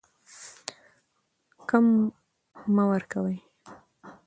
کم مه ورکوئ.